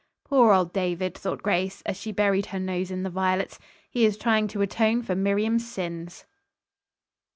"Poor old David!" thought Grace, as she buried her nose in the violets. "He is trying to atone for Miriam's sins."